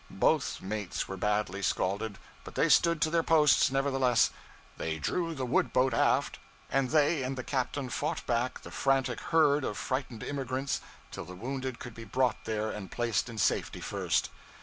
Both mates were badly scalded, but they stood to their posts, nevertheless. They drew the wood boat aft, and they and the captain fought back the frantic herd of frightened immigrants till the wounded could be brought there and placed in safety first.